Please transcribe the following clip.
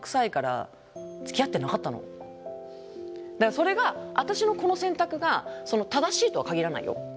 だからそれが私のこの選択が正しいとは限らないよ。